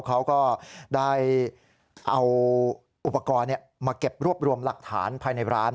เขาก็ได้เอาอุปกรณ์มาเก็บรวบรวมหลักฐานภายในร้าน